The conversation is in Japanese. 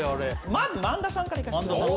まず萬田さんからいかしてください。